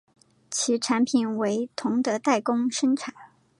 其产品为同德代工生产。